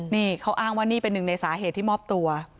นี่เขาอ้างว่านี่เป็นหนึ่งในสาเหตุที่มอบตัว